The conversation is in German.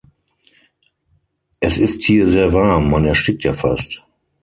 Es ist hier sehr warm; man erstickt ja fast.